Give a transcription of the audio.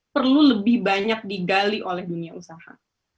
perlu lebih banyak digali oleh dunia usaha